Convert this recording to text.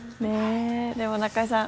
でも、中居さん